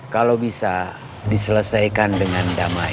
kalau bisa diselesaikan dengan damai